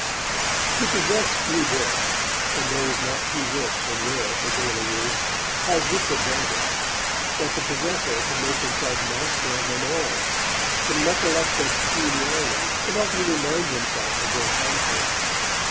To possess few books, and those not too rich and rare for daily use, has this advantage, that the possessor can make himself master of them all, can recollect their peculiarities, and often remind himself of their contents.